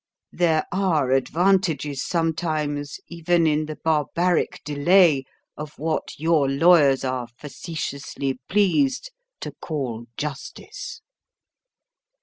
There are advantages sometimes even in the barbaric delay of what your lawyers are facetiously pleased to call justice."